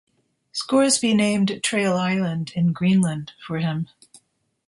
Scoresby named Traill Island in Greenland for him.